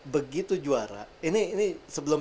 begitu juara ini sebelum